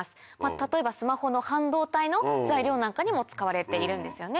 例えばスマホの半導体の材料なんかにも使われているんですよね。